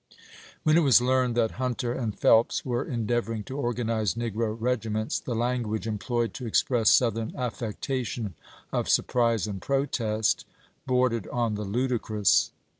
When it was learned that Hunter and Phelps were endeavoring to organize negro regi ments, the language employed to express Southern affectation of surprise and protest bordered on the ludicrous.